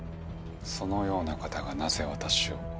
そのような方がなぜ私を？